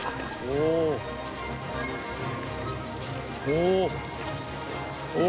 おお。